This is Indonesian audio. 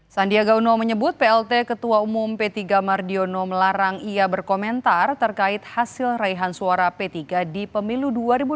sandiaga uno menyebut plt ketua umum p tiga mardiono melarang ia berkomentar terkait hasil raihan suara p tiga di pemilu dua ribu dua puluh